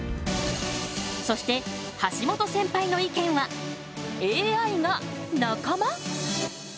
そして橋本センパイの意見は「ＡＩが仲間」！？